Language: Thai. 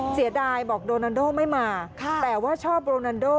เสียดายบอกโดนันโดไม่มาแต่ว่าชอบโรนันโด